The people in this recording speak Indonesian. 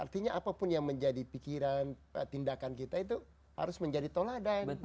artinya apapun yang menjadi pikiran tindakan kita itu harus menjadi toladan